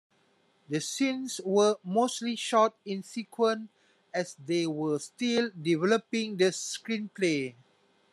The scenes were mostly shot in sequence, as they were still developing the screenplay.